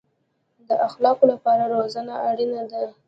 د اخلاقو لپاره روزنه اړین ده